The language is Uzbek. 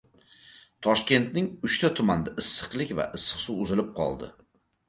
Toshkentning uchta tumanida issiqlik va issiq suv uzilib qoldi